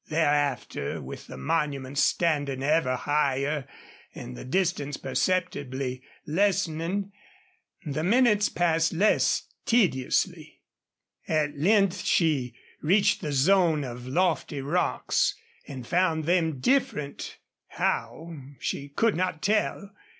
Thereafter, with the monuments standing ever higher, and the distance perceptibly lessening, the minutes passed less tediously. At length she reached the zone of lofty rocks, and found them different, how, she could not tell.